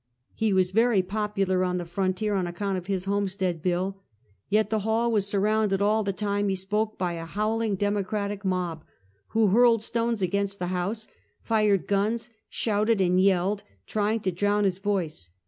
He was very popular on the frontier on account of his homestead bill, yet the hall was sur rounded all the time he spoke by a howling Democratic mob, who hurled stones against the house, fired gnns, shouted and yelled, trying to drown his voice.